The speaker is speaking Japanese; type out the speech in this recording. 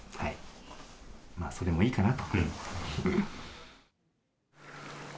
まあ、それもいいかなと。